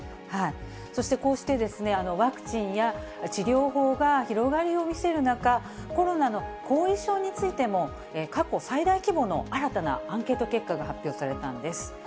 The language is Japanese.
そして、こうしてワクチンや治療法が広がりを見せる中、コロナの後遺症についても、過去最大規模の新たなアンケート結果が発表されたんです。